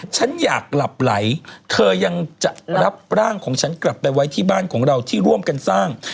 ฉันอยากหลับไหลเธอยังจะรับร่างของฉันกลับไปไว้ที่บ้านของเราที่ร่วมกันสร้าง